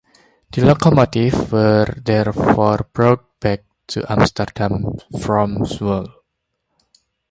The locomotives were therefore brought back to Amsterdam from Zwolle.